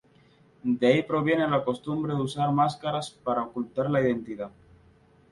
De ahí proviene la costumbre de usar máscaras para ocultar la identidad.